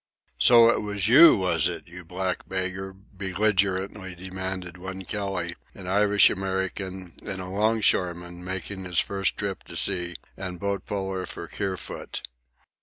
"So it was you, was it, you black beggar?" belligerently demanded one Kelly, an Irish American and a longshoreman, making his first trip to sea, and boat puller for Kerfoot.